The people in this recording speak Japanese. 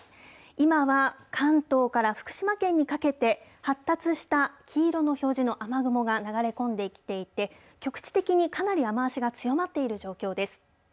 今は関東から福島県にかけて、発達した黄色の表示の雨雲が流れ込んできていて、局地的にかなり雨足が強まっている状況です。